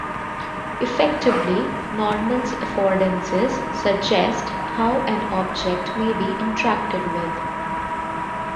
Effectively, Norman's affordances "suggest" how an object may be interacted with.